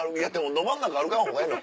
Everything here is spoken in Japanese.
ど真ん中歩かん方がええの？